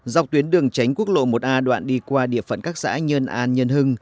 dọc tuyến đường tránh quốc lộ một a đoạn đi qua địa phận các xã nhân an nhân hưng